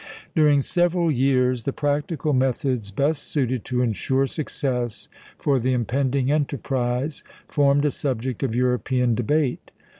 During several years, the practical methods best suited to insure success for the impending enterprise formed a subject of European debate.